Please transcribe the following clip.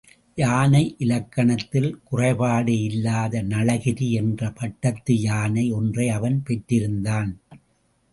யானை இலக்கணத்தில் குறைபாடு இல்லாத நளகிரி என்ற பட்டத்து யானை ஒன்றை அவன் பெற்றிருந்தான்.